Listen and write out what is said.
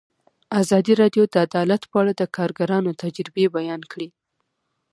ازادي راډیو د عدالت په اړه د کارګرانو تجربې بیان کړي.